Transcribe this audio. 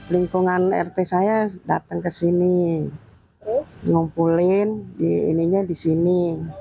lingkungan rt saya datang ke sini ngumpulinnya di sini